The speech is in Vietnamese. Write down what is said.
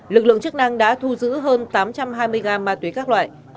lực lượng chức năng đã thu giữ hơn tám trăm hai mươi gram ma tuế các loại